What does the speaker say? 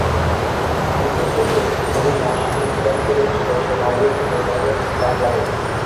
অনেক দিন হইতে অবিনাশ এই প্ল্যান করিয়াছিল–সে ভাবিয়াছিল, ভারি একটা তাক লাগাইয়া দিবে।